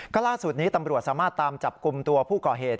ก็ล่าสุดนี้ตำรวจสามารถตามจับกลุ่มตัวผู้ก่อเหตุ